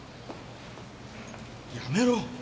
やめろ！